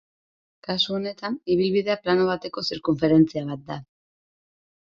Kasu honetan, ibilbidea plano bateko zirkunferentzia bat da.